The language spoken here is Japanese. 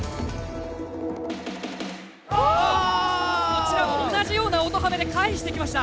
こちらも同じような音ハメで返してきました。